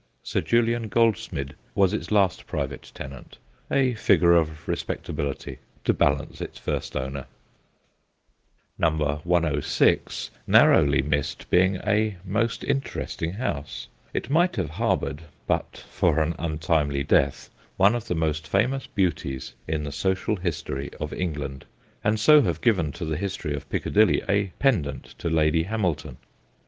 Sir Julian Goldsmid was its last private tenant, a figure of respectability to balance its first owner. 148 THE GHOSTS OF PICCADILLY Number 106 narrowly missed being a most interesting house. It might have harboured, but for an untimely death, one of the most famous beauties in the social history of England, and so have given to the history of Piccadilly a pendant to Lady Hamilton.